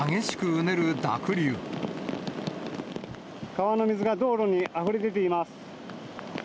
川の水が道路にあふれ出ています。